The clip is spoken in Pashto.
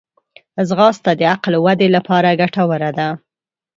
ځغاسته د عقل ودې لپاره ګټوره ده